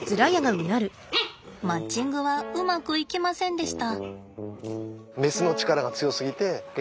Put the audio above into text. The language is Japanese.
マッチングはうまくいきませんでした。